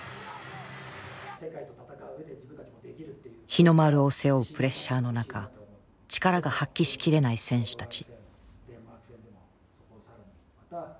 日の丸を背負うプレッシャーの中力が発揮しきれない選手たち。